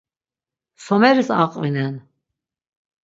Someris aqvinen?